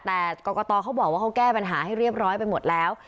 แต่กรกตเขาบอกว่าเขาแก้ปัญหาให้เรียบร้อยไปหมดแล้ว